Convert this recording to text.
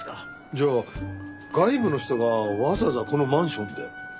じゃあ外部の人がわざわざこのマンションで？